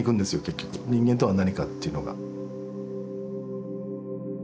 結局「人間とは何か」っていうのが。